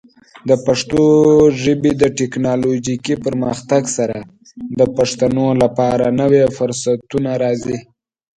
د پښتو ژبې د ټیکنالوجیکي پرمختګ سره، د پښتنو لپاره نوې فرصتونه راځي.